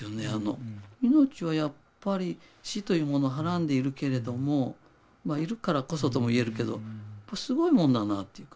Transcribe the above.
命はやっぱり死というものをはらんでいるけれどもいるからこそとも言えるけどすごいものだなというか。